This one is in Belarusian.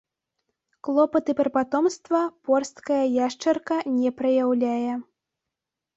Клопаты пра патомства порсткая яшчарка не праяўляе.